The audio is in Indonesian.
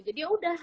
jadi ya udah